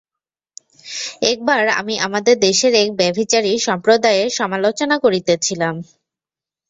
একবার আমি আমাদের দেশের এক ব্যভিচারী সম্প্রদায়ের সমালোচনা করিতেছিলাম।